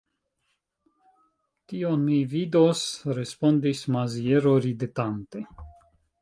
Tion mi vidos, respondis Maziero ridetante.